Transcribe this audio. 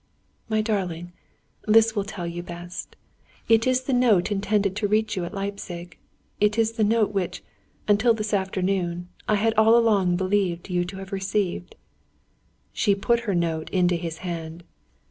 "My darling, this will tell you best. It is the note intended to reach you at Leipzig; it is the note which, until this afternoon, I had all along believed you to have received." She put her note into his hand.